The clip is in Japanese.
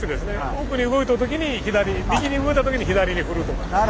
奥に動いてる時に左右に動いた時に左に振るとかですね。